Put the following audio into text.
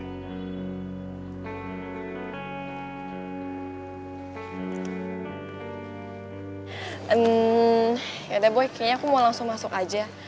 hmm yaudah boy kayaknya aku mau langsung masuk aja